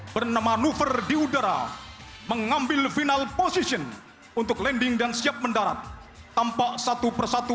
bernama nuver di udara mengambil final position untuk landing dan siap mendarat tampak satu persatu